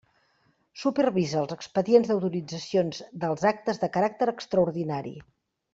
Supervisa els expedients d'autoritzacions dels actes de caràcter extraordinari.